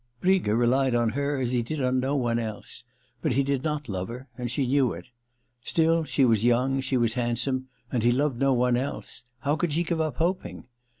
Briga relied on her as he did on no one else ; II THE LETTER 247 but he did not love her, and she knew it. Still, she was young, she was handsome, and he loved no one else : how could she give up hoping